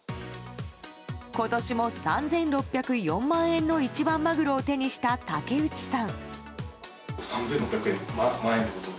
今年も３６０４万円の一番マグロを手にした竹内さん。